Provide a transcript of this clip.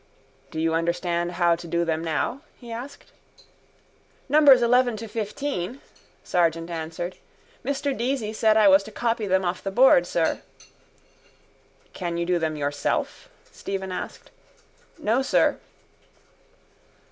—Do you understand how to do them now? he asked. —Numbers eleven to fifteen, Sargent answered. Mr Deasy said I was to copy them off the board, sir. —Can you do them yourself? Stephen asked. —No, sir.